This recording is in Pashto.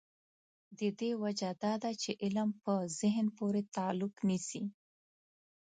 د دې وجه دا ده چې علم په ذهن پورې تعلق نیسي.